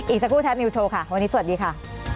อีกสักครู่แท็บนิวโชว์ค่ะวันนี้สวัสดีค่ะ